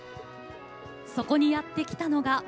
そこにやって来たのが。